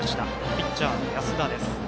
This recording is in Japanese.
ピッチャーの安田。